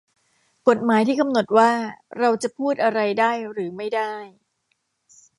กฎหมายที่กำหนดว่าเราจะพูดอะไรได้หรือไม่ได้